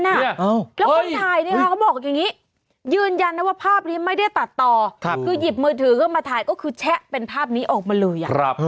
แล้วคนถ่ายเขาบอกอย่างนี้ยืนยันนะว่าภาพนี้ไม่ได้ตัดต่อคือหยิบมือถือขึ้นมาถ่ายก็คือแชะเป็นภาพนี้ออกมาเลย